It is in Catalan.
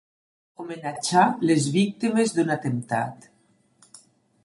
Homenatjar les víctimes d'un atemptat.